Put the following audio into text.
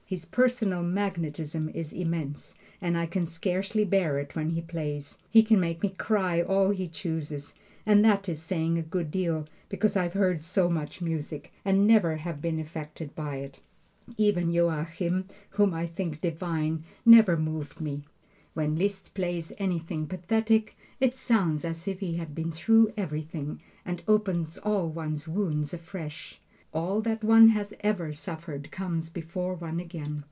His personal magnetism is immense, and I can scarcely bear it when he plays. He can make me cry all he chooses, and that is saying a good deal, because I've heard so much music, and never have been affected by it. Even Joachim, whom I think divine, never moved me. When Liszt plays anything pathetic, it sounds as if he had been through everything, and opens all one's wounds afresh. All that one has ever suffered comes before one again.